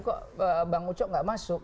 kok bang ucok gak masuk